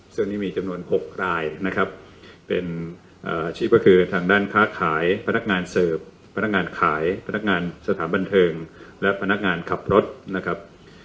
ซึ่งนี่มีจำนวน๖รายนะครับเป็นอาชีพก็คือทางด้านค้าขายพนักงานเสิร์ฟพนักงานขายพนักงานสถานบันเทิงและพนักงานขับรถนะครับ